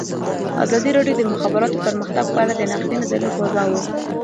ازادي راډیو د د مخابراتو پرمختګ په اړه د نقدي نظرونو کوربه وه.